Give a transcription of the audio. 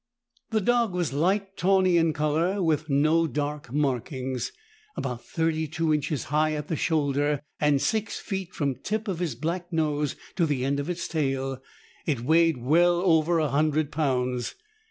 The dog was light tawny in color, with no dark markings. About thirty two inches high at the shoulder and six feet from tip of its black nose to the end of its tail, it weighed well over a hundred pounds.